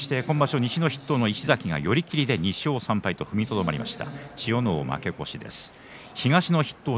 西の筆頭の石崎が寄り切りで２勝３敗と踏みとどまりました。